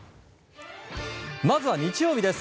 まずは日曜日です。